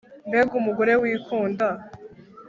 Mbega umugore wikunda